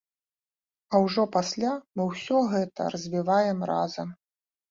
А ўжо пасля мы ўсё гэта развіваем разам.